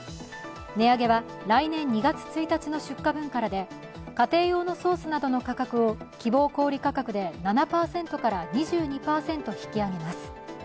値上げは、来年２月１日の出荷分からで、家庭用のソースなどの価格を希望小売価格で７％から２２％引き上げます。